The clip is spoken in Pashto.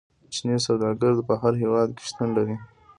چیني سوداګر په هر هیواد کې شتون لري.